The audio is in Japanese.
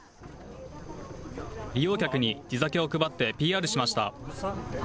利用客に地酒を配ってＰＲしました。